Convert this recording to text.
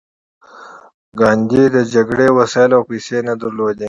ګاندي د جګړې وسایل او پیسې نه درلودې